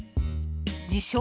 自称